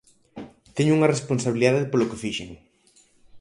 Teño unha responsabilidade polo que fixen.